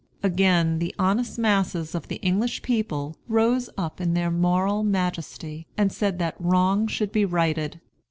Again the honest masses of the English people rose up in their moral majesty and said that wrong should be righted.